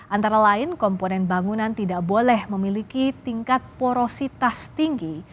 antara lain komponen bangunan tidak boleh memiliki tingkat porositas tinggi